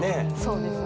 そうですね。